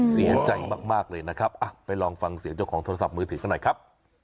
เสียใจมากเลยนะครับไปลองฟังเสียงเจ้าของโทรศัพท์มือถือกันหน่อยครับ